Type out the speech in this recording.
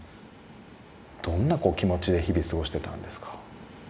どんな気持ちで日々過ごしてたんですか？